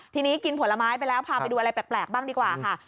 ทีนี้กินผลไม้ไปแล้วพาไปดูอะไรแปลกบ้างดีกว่าค่ะ